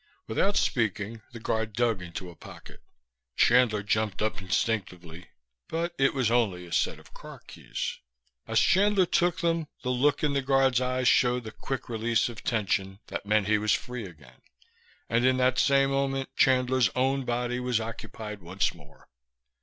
Without speaking the guard dug into a pocket. Chandler jumped up instinctively, but it was only a set of car keys. As Chandler took them the look in the guard's eyes showed the quick release of tension that meant he was free again; and in that same moment Chandler's own body was occupied once more.